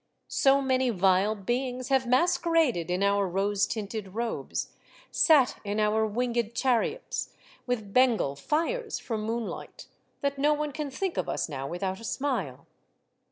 So many vile beings have masqueraded in our rose tinted robes, sat in our winged chariots, with Ben gal fires for moonlight, that no one can think of us now without a smile.